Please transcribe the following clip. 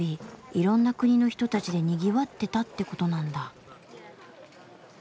いろんな国の人たちでにぎわってたってことなんだ。